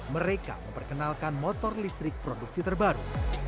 mereka memperkenalkan motor listrik produksi terbaru